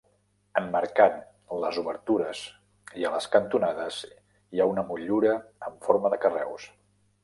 Emmarcant les obertures i a les cantonades hi ha una motllura amb forma de carreus.